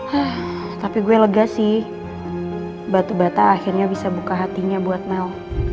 hah tapi gue lega sih batu bata akhirnya bisa buka hatinya buat mel